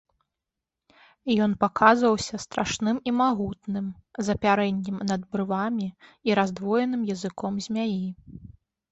Ён паказваўся страшным і магутным, з апярэннем над брывамі і раздвоеным языком змяі.